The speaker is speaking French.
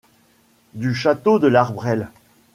Du château de l’Arbrelles